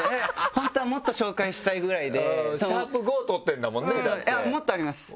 本当はもっと紹介したいぐらいで。